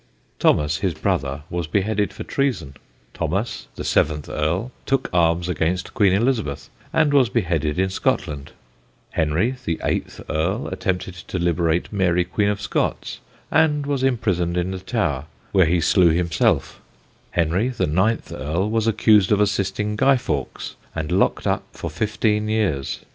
Thomas, his brother, was beheaded for treason; Thomas, the seventh Earl, took arms against Queen Elizabeth, and was beheaded in Scotland; Henry, the eighth Earl, attempted to liberate Mary Queen of Scots, and was imprisoned in the Tower, where he slew himself; Henry, the ninth Earl, was accused of assisting Guy Fawkes and locked up for fifteen years.